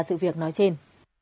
sự việc nói trên